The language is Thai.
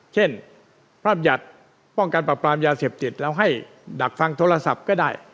เช่นพระบัญญัติป้องกันปรับปรามยาเสพติดแล้วให้ดักฟังโทรศัพท์ก็ได้